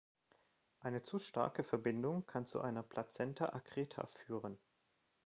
Eine zu starke Verbindung kann zu einer Placenta accreta führen.